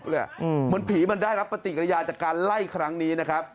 เหมือนผีมันได้รับปฏิกิริยาจากการไล่ครั้งนี้นะครับ